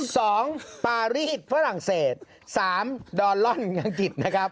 สองปารีสฝรั่งเศสสามดอลลอนอังกฤษนะครับ